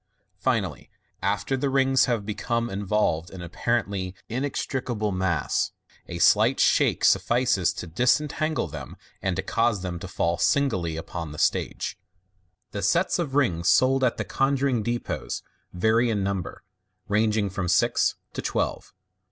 Finally, after the FigHT rings have become involved in an apparently in extricable mass, a slight shake suffices to disentangle them, and to cause them to fall singly upon the stage, 402 MODERN MAGIC. Fig. 236. The sets of rings sold at the conjuring depots vary in number, ranging from six to twelve.